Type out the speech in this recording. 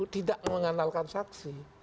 tidak mengandalkan saksi